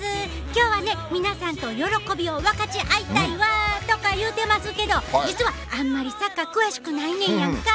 今日は皆さんと喜びを分かち合いたいわーとか言うてますけど、実はあんまりサッカー詳しくないねんやんか。